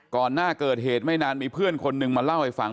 ก่อนหน้าเกิดเหตุไม่นานมีเพื่อนคนนึงมาเล่าให้ฟัง